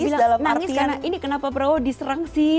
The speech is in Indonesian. dia bilang nangis karena ini kenapa prabowo diserang sih